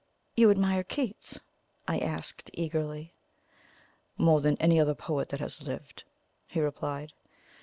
"You admire Keats?" I asked eagerly. "More than any other poet that has lived," he replied.